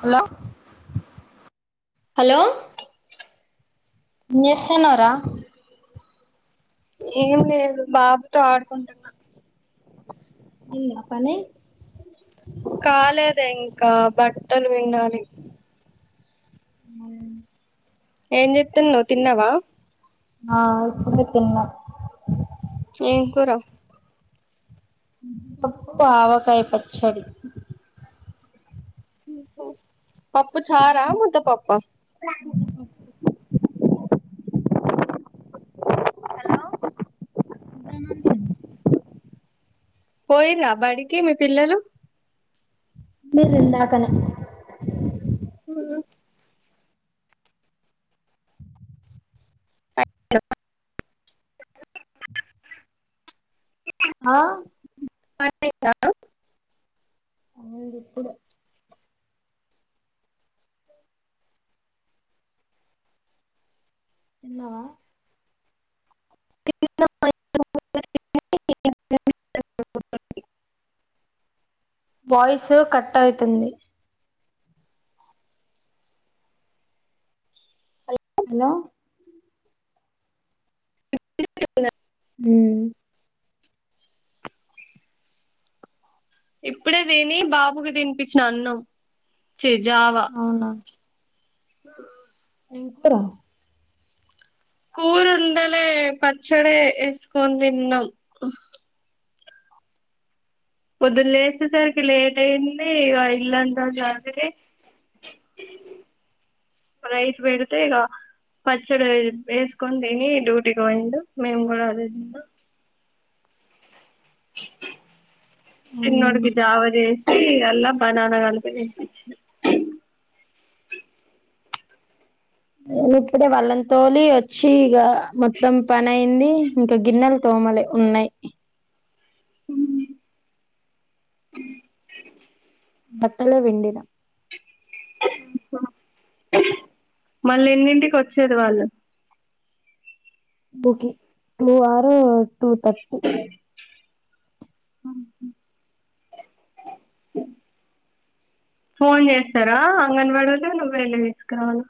hello hello ఏంచేస్తాన్నవ్ రా ఏం లేదు బాబుతో ఆడుకుంటున్నా అయిందా పని కాలేదే బట్టలు పిండాలి [unintelligible] ఏం చేస్తన్నావ్ తిన్నావ ఆ ఇప్పుడే తిన్న ఎం కూర పప్పు ఆవకాయ్ పచ్చడి పాప చార ముద్ద పప్ప [unintelligible] పోయిర్ర బడికి మీ పిల్లలు మీలింద [unintelligible] ఉ ఆ పయిత [inaudible] ఇప్పుడు అ తిన్నవా వాయిసు కట్ అయితుంది హలో హు ఇప్పుడే తిని బాబుకి తిని పిచ్చిన అన్నం జావ ఆ ఎప్పుడు కూర వండలె పచ్చడి వేసుకోని తిన్నాం పొద్దున లేచి సరికి లేట్ అయింది ఆ ఇల్లంతా జాకెట్టు రైస్ పెడితే ఇగ పచ్చడి వేసుకొని తిని డ్యూటీకి పోయిండు మేము కూడా అది ఆ చిన్నోడికి జావ చేసి అలా బనానాకలపి తినిపించిన నేను ఇప్పుడే వాళ్లను తోలి వచ్చి ఇక మొత్తం పని అయింది ఇంకా గిన్నెల తోమలే ఉన్నాయి ఉ ఆ హా బట్టలు పిండిన మళ్ళీ ఎన్నింటికి వచ్చిల్లు వాళ్ళు ఓక టూ ఆరు టూ తర్టీ ఆ హా ఫోన్ చేస్తారా అంగని వడోల్లు నువ్వే వెళ్లి తీసుకురావాల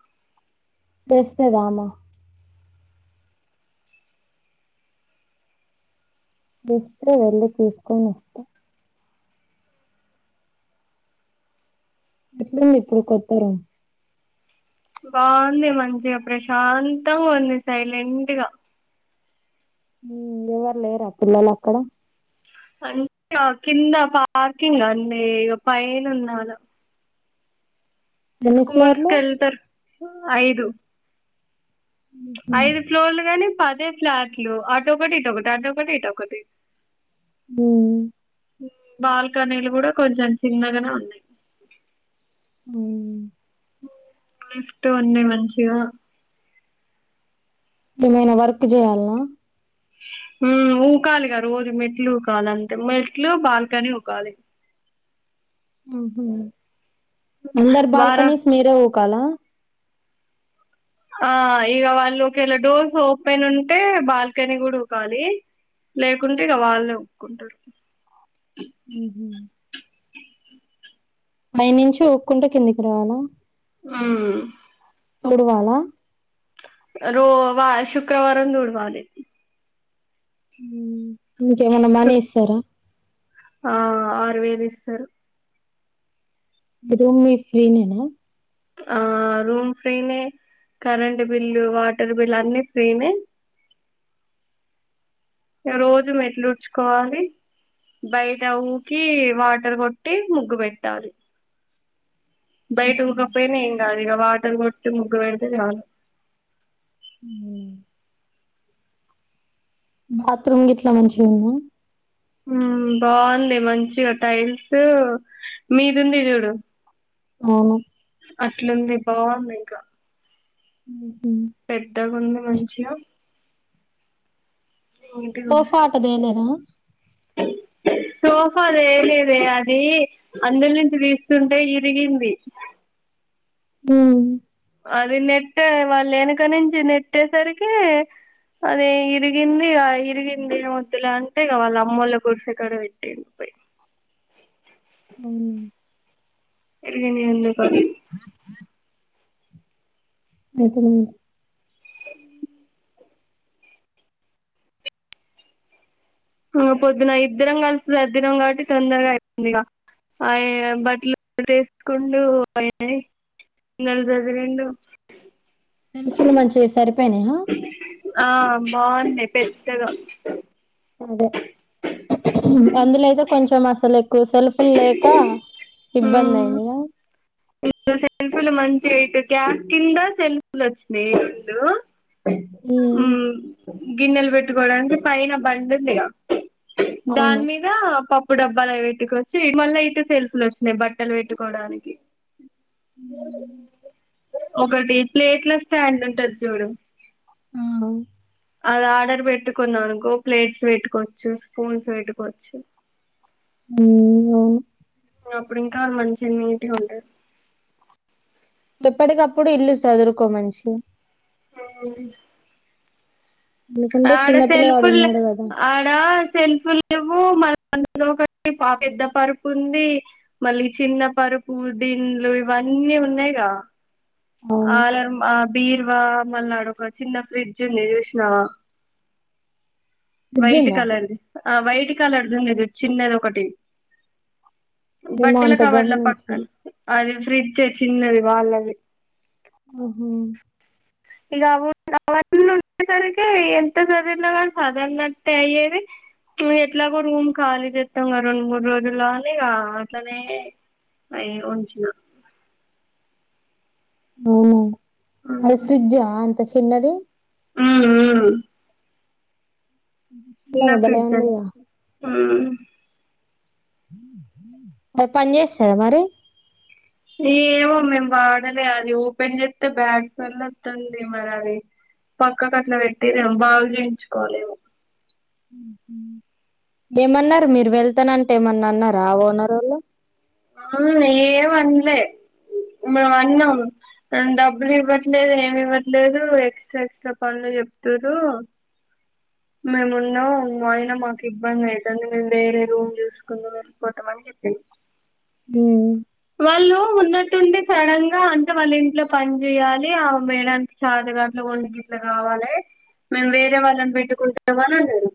తెస్తది ఆమె తెస్తే వెళ్లి తీసుకోని ఇస్తాం ఎట్ల ఉంది ఇప్పుడు కొత్త రూమ్ బాగుంది మంచిగా ప్రశాంతంగా ఉంది సైలెంట్ గా ఎవరు లేరా పిల్లలు అక్కడ అంటే కింద పార్కింగ్ అన్నీ ఇక పైన ఉన్నను ఎన్ని స్కూల్స్ ఫ్లోర్లు వెళ్తారు ఐదు ఐదు ఫ్లోర్లు గాని పది ఐదు ఫ్లాట్లు ఆటో కటి ఇట్ ఒకటి ఆటో కటి ఇట్ ఒకటి ఉ బాల్కనీలు కూడా కొంచెం చిన్నగానే ఉన్నాయి ఉ లిఫ్ట్ ఉంది మంచిగా ఏమైనా వర్క్ చేయాల ఉ ఊకాలేగా రోజు మెట్లు ఊకాలే అంతే మెట్లు బాల్కనీ ఉకాలే అందరు వారం బాల్కనీస్ మీరే ఉకాలా ఆ ఇక వాళ్ళు ఒకేలా డోర్స్ ఓపెన్ ఉంటే బాల్కనీ కూడా ఉకాలి లేకుంటే ఇక వాళ్ళనే ఒప్పుకుంటారు ఉ హు పై నుంచి ఒప్పుకుడు కిందికి రావాలా ఆ ఉడువాల రో వా శుక్రవారం తుడవాలి మీకేమన్నా మాని ఇస్తారా ఆ ఆరు వేలు ఇస్తారు రూమ్ మీకు ఫ్రీ నా ఆ రూమ్ ఫ్రీ నే కరెంట్ బిల్లు, వాటర్ బిల్లు అన్ని ఫ్రీనే గ రోజు మెట్లు ఉడ్చుకోవాలి బయట ఊకి వాటర్ గొట్టి ముగ్గు బెట్టాలి బయట ఉకక్పోయినా ఏం గాదు ఇగ వాటర్ గొట్టి ముగ్గు బెడితే చాలు ఉమ్ బాత్రూమ్ గిట్ల మంచిగుంద ఉమ్ బావుంది మంచిగ టైల్స్ మీదుంది జూడు అవును అట్లుంది బావుందింక ఉ పెద్దగుంది మంచిగ నీట్గా ఉంది సోఫాట దేలేదా సోఫా దేలేదే అదీ అందుల్నుంచి తీస్తుంటే ఇరిగింది ఉమ్ అది నెట్టే వాళ్ళేనక నుంచి నెట్టేసరికి అదీ ఇరిగిందిగా ఇరిగిందేమొద్దులే అంటే ఇగ వాళ్ళ అమ్మోల్ల గుడిసె కాడ బెట్టిండు అవున ఇరిగింది ఎందుకని అయితే మాయ్ ఆ పొద్దున ఇద్దరం గల్సి సర్దినం గాబట్టి తొందరగయిపోయిందిగ అయన బట్టలుంటే ఏసుకుండూ [unintelligible] న్నెల్ సదిరిండు సెల్ఫ్ లు మంచిగెస్ ఆ బావుంది పెద్దగా అందులయితే కొంచెం అసలెక్ కు సెల్పుళ్ళేకా ఇబ్బందయిందిగా ఇటు సెల్ఫులు మంచిగ ఇటు గ్యాస్ కింద సెల్ఫులోచ్చినయి రెండు ఉమ్ గిన్నెల్ బెట్టుకోవడానికి పైన బండుందిగ దాని అవును మీద పప్ ప్పు డబ్బాలయి బెట్టుకొవచ్చు ఇ మళ్ళ ఇటు సెల్ఫ్ లొచ్చినయి బట్టలు పెట్టుకోవడానికి ఉమ్ ఒకటి ప్లేట్ల స్టాండ్ ఉంటది జూడు ఆ అది ఆర్డర్ బెట్టుకున్నవనుకో ప్లేట్స్ బెట్టుకోవచ్చు స్పూన్స్ బెట్టుకోవచ్చు ఉమ్ అవును అప్పుడింకా మంచిగ నీటుగ ఉంటది ఎప్పటికప్పుడు ఇల్లు సదురుకోమంచిగ ఆ ఎందుకంటే ఆడ చిన్నపిల్లగాడు సెల్ఫుల్లే ఉన్నాడు కదా ఆడ సెల్ఫులు లేవు మ ఒకటి పా పెద్ద పరుపు ఉంది మళ్ళీ చిన్న పరుపు దిండ్లు ఇవన్నీ ఉన్ న్నయిగా అవును ఆలర్ ఆ బీర్వా మల్లాడొక చిన్న ఫ్రిడ్జ్ ఉంది జూసినవా ఫ్రిడ్జ్ వైట్ ఉందా కలర్ది ఆ వైట్ కలర్ది ఉంది జూడు చిన్నదొకటి ఏమో బట్టల అంత కవర్ల పక్కన గమనించలే అది ఫ్రిడ్జ చిన్నది వాళ్ళది ఆహా [inaudible] ఎట్లాగో రూమ్ ఖాళీ చేస్తాం గ రెండు మూడు రోజుల్లో అనిగా అట్లానే [unintelligible] ఉంచిన ఉమ్ అది ఫ్రిడ్జా అంత చిన్నది హు చిన్న చిన్నగా భలే ఫ్రిడ్జ్ ఉందిగా ఆ అది పని చేస్తాద మరి ఏమో మేము వాడలే అది ఓపెన్ చెస్తే బ్యాట్స్మెన్ వతుంది మరి అది పక్కకు అట్లా పెట్టి మేము బాగు చేయించుకోవాలేమో ఏమన్నారు మీరు వెళ్తానంటే ఏమన్నా అన్నార ఆ ఓనరోల్లు ఆ ఏమన్లే మేము అన్నాం డబ్బులు ఇవ్వట్లేదు ఏమి ఇవ్వట్లేదు ఎక్స్ట్రా ఎక్స్ట్రా పనులు చెప్త్తూరు మేమున్నా అయినా మాకు ఇబ్బంది అయితంది మేము వేరే రూమ్ చూసుకుంద మని వెళ్ళిపోతామ అని చెప్పింది ఉ వాళ్ళు ఉన్నట్టుండి సడన్ గా అంత వాళ్ళ ఇంట్లో పని చేయాలి ఆ మేడనికి [unintelligible] దాంట్లో [unintelligible] ఇట్లా కావాలి మేము వేరే వాళ్ళని పెట్టుకుంటామ అని అన్నారు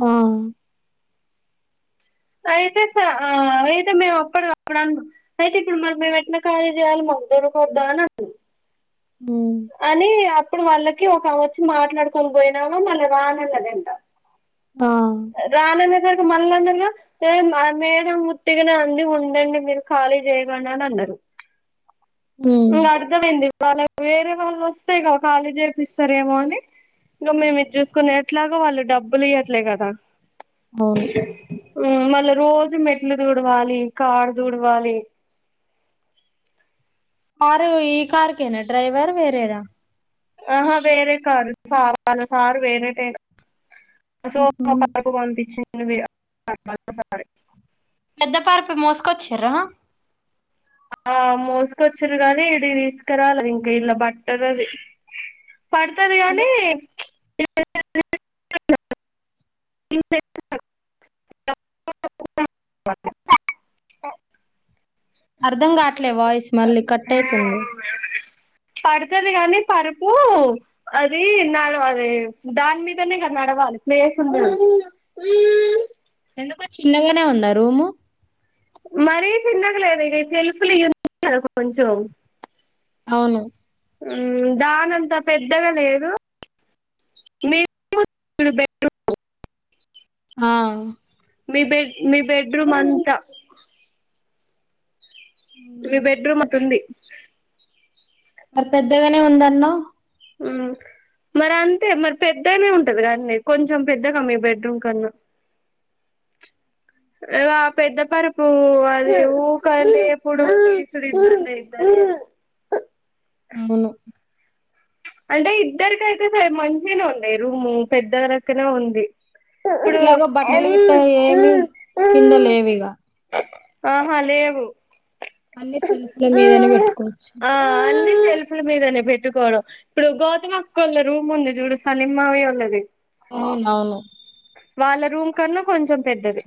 ఆ అయితే [unintelligible] అయితే మేము అప్పుడు అడు అయితే ఇప్పుడు మరి మేము ఎట్నా ఖాళీ చేయాలి [unintelligible] బ అని అప్పుడు వాళ్ళకి ఒక వచ్చి మాట్లాడుకొని పోయినాము మళ్ళా రానన్నదంట ఆ [unintelligible] మళ్ళన్నగా ఆ మేడమ్ ఉత్తిగనే అంది ఉండండి మీరు ఖాళీ చేయ [unintelligible] అన్నారు హ్మ్ అర్థమైంది వాళ్ళ వేరే వాళ్ళు వస్తే ఇగ కాలి చేపిస్తారేమో అని ఇంకా మేము ఇది చూసుకునే ఎట్లాగో వాళ్ళు డబ్బులు ఇయట్లే కదా అవును మల్ల రో జు మెట్లు తుడవాలి కారు దుడవాలి కారు ఈ కార్కేన డ్రైవర్ వేరే [unintelligible] ఆహా వేరే కారు సారు వాళ్ళ సారు వేరే హ్మ్ అసోకు పంపించింది ఇగ [unintelligible] పెద్ద [unintelligible] మోసుకొచ్చార ఆ మోసుకొచ్చారు గానీ ఇడికి తీసుకురాల ఇంకా ఇలా బట్టద అది పడతది గానీ ఎందుకు [inaudible] అర్ధం కావట్లే వాయిస్ మళ్ళీ కట్ అయితుంది పడుతది గాని పరుపు అదిన్నాడు అది దాని మీదనే కదా ప్లేస్ంది ఎందుకో చిన్నగానే ఉందా రూము మరి చిన్నగా లేదు [inaudible] కొంచం అవును దానంత పెద్దగా లేదు [inaudible] ఆ మీ బెడ్ మీ బెడ్రూమ్ అంతా మీ బెడ్రూమ్ అంత ఉంది మరి పెద్దగానే ఉందన్నవు ఆ మరి అంతే మరి పెద్దనే ఉంటది కాని కొంచెం పెద్దగా మీ బెడ్రూమ్ కన్నా పెద్ద పరుపు అది ఊకళ ఎప్పుడు తీసుంది [inaudible] అవును అంటే ఇద్దరిక అయితే సరే మంచిగానే ఉంది రూము పెద్దకనే ఉంది ఇప్పుడు ఎట్లాగో బట్టలు గిట్ట ఏమి కింద లేవిగా ఆహ లేవు అన్ని సెల్ఫ్ల మీదనే పెట్టుకోవచ్చు ఆ అన్ని సెల్ఫులుమిదనే చట్టుకోవడం ఇప్పుడు గౌతమీ అక్క వాళ్ళ రూమ్ ఉంది చూడు సలీమ్ [inaudible] మామయ్య వాళ్ళది అవును వాళ్ళ రూమ్ కన్నా కొంచెం పెద్దది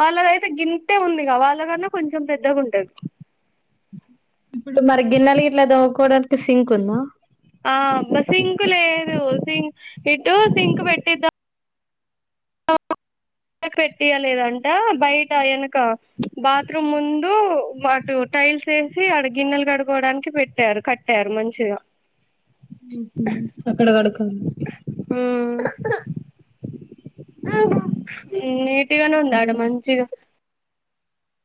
వాళ్ళదయితే గింటే ఉందిగా వాళ్ళకన్నా కొంచెం పెద్దగుంటది ఇప్పుడు మరి గిన్నలు గిట్ల తోముకోడానికి ఆ ఒక సింకులే సింగ్ ఇటు సింక్ పెట్టిదం పెట్టియలేదంట బయట వెనక బాత్రూమ్ ముందు అటుూ టైల్స్ వేసి ఆడ గిన్నెలు కడుకోవడానికి పెట్టారు కట్టారు మంచిగా అ అక్కడ [inaudible] నీటిగానే ఉంది ఆడ అదే మంచిగా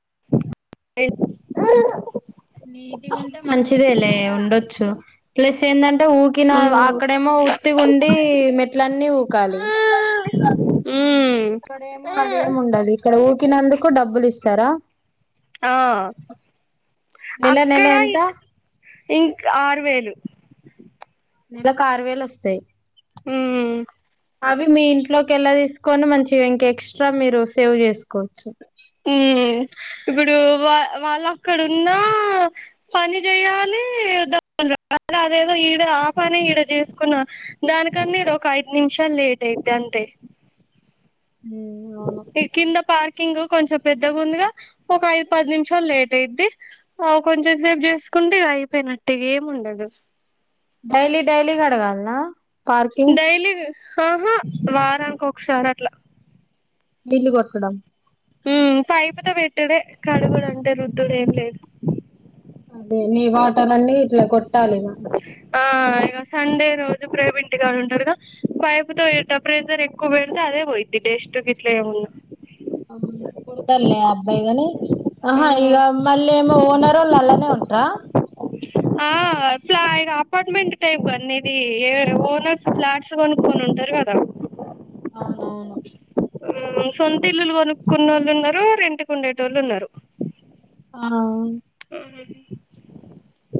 [inaudible] నీట్గా ఉంటే మంచిదే లే ఉండొచ్చు ప్లస్ ఏందంటే అంటే ఊకిన అక్కడేమో ఉట్టిగుండి మెట్లన్నీ ఊకాలి అ ఇక్కడేమో అదేమి ఉండదు ఇక్కడ ఊకినందుకు డబ్బులు ఇస్తారా ఆ నెల నెల అక్కడయి ఎంత ఇంకా ఆరు వేలు నెలకి ఆరు వేలు వస్తాయి ఉమ్ అవి మీ ఇంట్లోకి ఎలా తీసుకొని మంచి ఇంకా ఎక్స్ట్రా మీరు సేవ్ చేసుకోవచ్చు ఇప్పుడు వా వాళ్ళు అక్కడ ఉన్న పని చెయాలి అదేదో ఈడ ఆపనే ఈడ చేసుకున్నా దానికన్నా ఈడ ఒక ఐదు నిమిషాలు లేట్ అయిద్ది అంతే ఉమ్, అవును ఇ కింద పార్కింగ్ కొంచెం పెద్దగుందిగా ఒక ఐదు పది నిమిషాలు లేట్ అయిద్ది కొంచెం సేపు చేసుకుంటే అయిపేనట్టే ఏమి ఉండదు డైలీ డైలీ కడగాలనా పార్కింగ్ డైలీ ఆహా వారానికి ఒకసారి అట్లా నీళ్లు కొట్టడం ఊ పైపుతో పెట్టుడే కడుగుడు అంటే రుద్దుడు ఏం లేదు అదే నీ వాటర్ అన్ని ఇట్లా కొట్టాలి ఇగ ఆ ఇగ సండే రోజు ప్రేబ్ ఇంటి కాని ఉంటారుగా పైపు తో టెంపరేచర్ ఎక్కువ పెడితే అదే పోయిద్ది టేస్ట్ ఇట్లే వున్నా పుడతాడులేే అబ్బాయిగాని ఆహా ఇగ మళ్ళ ఏమో ఓనరోళ్ళు అలానే ఉంటరా ఆ ప్లా ఇగా అపార్ట్మెంట్ టైప్ అన్న ఇది ఏ ఓనర్స్ ఫ్లాట్స్ కొనుక్కని తర్వాత అవునవును ఉ సొంత ఇల్లులు కొనుక్కునే వోళ్ళు ఉన్నారు రెంట్ కుండే టోల్లు ఉన్నారు ఆ ఉ